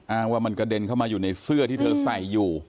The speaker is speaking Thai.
อ้างว่ามันกระเด็นเข้ามาอยู่ในเสื้อที่เธอใส่อยู่